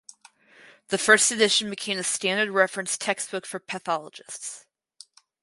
The first edition became the standard reference textbook for Pathologists.